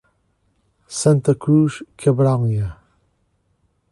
Santa Cruz Cabrália